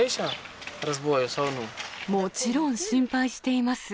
もちろん心配しています。